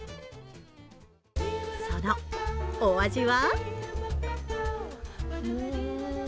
そのお味は？